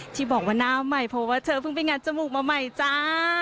ที่บอกว่าหน้าใหม่เพราะว่าเธอเพิ่งไปงานจมูกมาใหม่จ้า